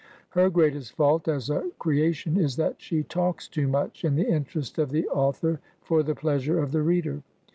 Her greatest fault as a crea tion is that she talks too much in the interest of the au thor for the pleasure of the reader.